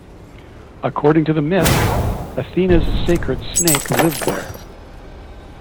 According to the myth, Athena's sacred snake lived there.